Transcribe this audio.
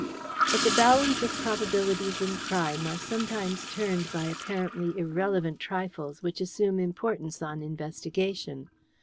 But the balance of probabilities in crime are sometimes turned by apparently irrelevant trifles which assume importance on investigation.